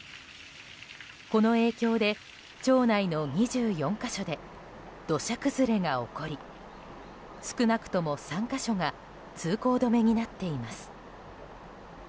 この影響で町内の２４か所で土砂崩れが起こり少なくとも３か所が通行止めになっています。